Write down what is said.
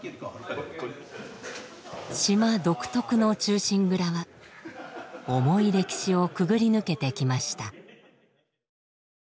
島独特の「忠臣蔵」は重い歴史をくぐり抜けてきました。